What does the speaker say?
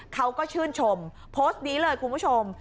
เขาก็ชื่นชมโพสต์นี้เลยคุณผู้ชม